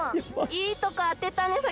いいとこあてたねさ